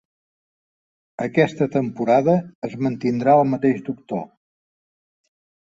Aquesta temporada es mantindrà el mateix doctor.